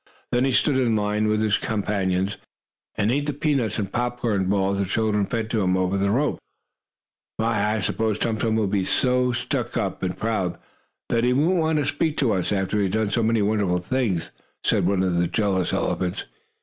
Then he stood in line with his companions, and ate the peanuts and popcorn balls the children fed to him over the ropes. "My, I s'pose Tum Tum will be so stuck up, and proud, that he won't want to speak to us, after he has done so many wonderful things," said one of the jealous elephants.